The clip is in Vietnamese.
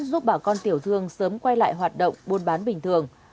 giúp bà con tiểu thương sớm quay lại hoạt động buôn bán bình thường